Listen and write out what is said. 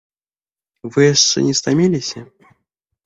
Вы яшчэ не стаміліся?